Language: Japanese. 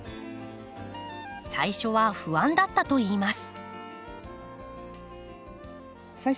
最初は不安だったといいます。